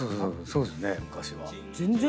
そうですね昔は。